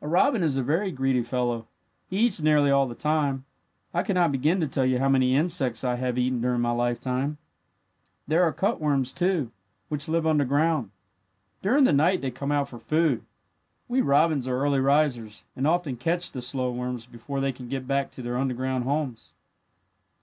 "A robin is a very greedy fellow. He eats nearly all the time. I could not begin to tell you how many insects I have eaten during my life. "There are cutworms, too, which live underground. During the night they come out for food. We robins are early risers, and often catch the slow worms before they can get back to their underground homes."